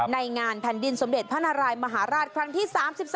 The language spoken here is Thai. ในงานแผ่นดินสมเด็จพระนารายมหาราชครั้งที่๓๓